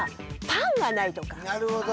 なるほど。